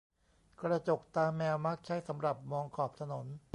กระจกตาแมวมักใช้สำหรับมองขอบถนน